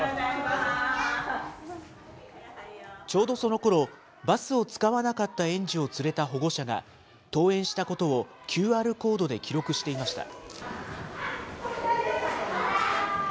ちょうどそのころ、バスを使わなかった園児を連れた保護者が、登園したことをＱＲコードで記録していました。